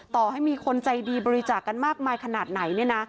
ต่อให้มีคนใจดีบริจาคกันมากมายขนาดไหนเนี่ยนะ